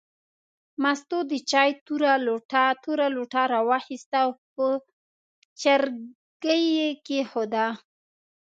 مستو د چای توره لوټه راواخیسته او په چرګۍ یې کېښوده.